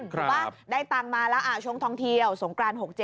ว่าได้ตังมาแล้วชงทองเที่ยวสงกราน๖๗